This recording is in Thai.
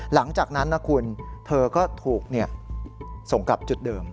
หลังจากนั้นนะคุณเธอก็ถูกส่งกลับจุดเดิม